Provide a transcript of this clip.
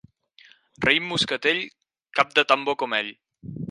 Raïm moscatell, cap de tan bo com ell.